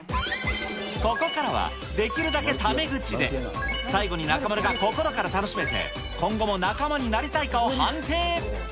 ここからは、できるだけタメ口で、最後に中丸が心から楽しめて、今後も仲間になりたいか判定。